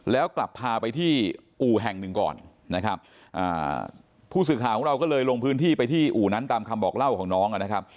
แล้วกลับพาไปที่อู่แห่งหนึ่งก่อนนะครับผู้สื่อข่าวของเราก็เลยลงพื้นที่ไปที่อู่นั้นตามคำบอกเล่าของน้องนะครับ